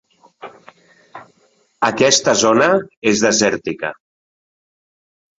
Aquesta zona és desèrtica.